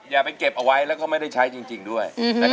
อย่าไปเก็บเอาไว้แล้วก็ไม่ได้ใช้จริงด้วย